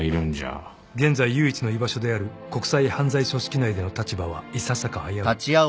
［現在唯一の居場所である国際犯罪組織内での立場はいささか危うい］